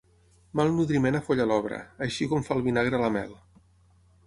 Mal nodriment afolla l'obra, així com fa el vinagre a la mel.